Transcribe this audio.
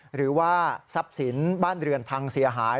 หรือว่าทรัพย์สินบ้านเรือนพังเสียหาย